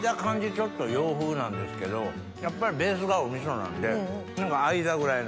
ちょっと洋風なんですけどやっぱりベースがお味噌なんで何か間ぐらいの。